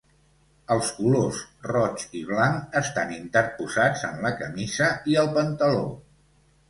Els colors roig i blanc estan interposats en la camisa i el pantaló.